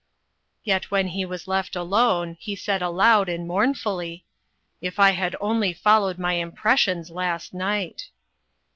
Yet when he was left alone, he said aloud and mournfully :" If I had only followed my impressions last night